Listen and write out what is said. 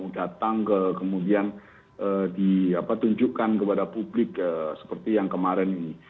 datang ke kemudian ditunjukkan kepada publik seperti yang kemarin ini